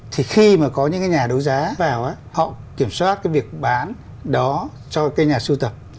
thì khi mà có những cái nhà đấu giá vào họ kiểm soát cái việc bán đó cho cái nhà sưu tập